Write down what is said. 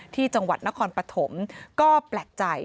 ที่จังหวัดนครปฐมก็แปลกใจ